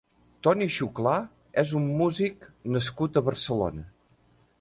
Toni Xuclà és un músic nascut a Barcelona.